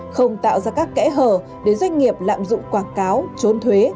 không tạo ra các kẽ hở để doanh nghiệp lạm dụng quảng cáo trốn thuế